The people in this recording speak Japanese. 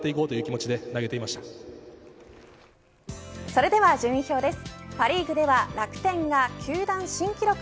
それでは順位表です。